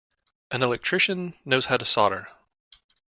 An electrician knows how to solder.